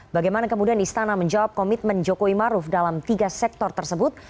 bagaimana kemudian istana menjawab komitmen jokowi maruf dalam tiga sektor tersebut